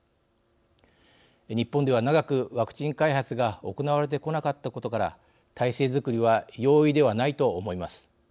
日本では長くワクチン開発が行われてこなかったことから体制作りは容易ではないと思います。